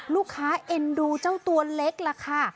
เอ็นดูเจ้าตัวเล็กล่ะค่ะ